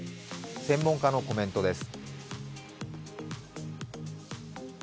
専門家のコメントです。